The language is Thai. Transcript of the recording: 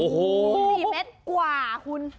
โอ้โฮโอ้โฮโอ้โฮ๔เมตรกว่าคุณ